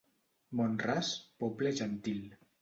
Mont-ras, poble gentil.